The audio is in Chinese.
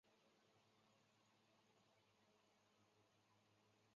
积分变数一般会布朗运动。